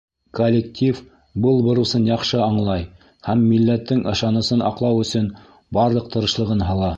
Коллектив был бурысын яҡшы аңлай һәм милләттең ышанысын аҡлау өсөн барлыҡ тырышлығын һала.